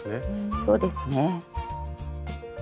そうですね。